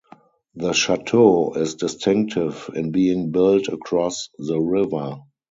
The chateau is distinctive in being built across the river.